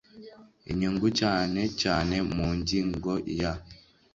inyungu cyane cyane mu ngi ngo ya